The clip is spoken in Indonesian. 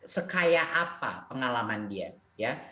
sekaya apa pengalaman dia